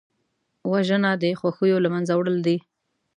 وژنه د خوښیو له منځه وړل دي